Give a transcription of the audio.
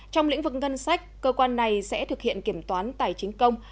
trong lĩnh vực ngân sách cơ quan này sẽ thực hiện kiểm toán tài chính công